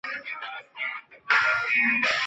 黑天竺鱼为天竺鲷科天竺鱼属的鱼类。